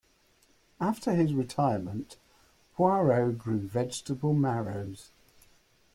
After his retirement, Poirot grew vegetable marrows.